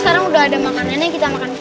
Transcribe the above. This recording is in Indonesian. itu mah gampang